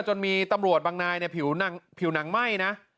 จนมีตำรวจบางนายเนี่ยผิวหนังไหม้นะ